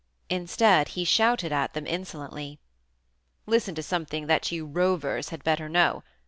Instead, he shouted at them insolently: "Listen to something that you rovers had better know.